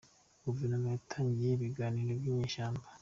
Guverinoma yatangiye ibiganiro n’inyeshyamba